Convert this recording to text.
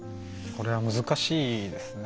これは難しいですね